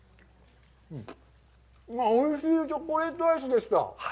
おいしいチョコレートアイスでした。